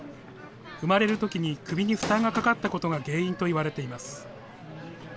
生まれるときに首に負担がかかったことが原因といわれています。